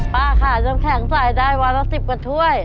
ป้าขายน้ำแข็งใส่ได้วันละ๑๐กว่าถ้วย